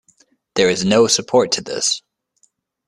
There is no to support this.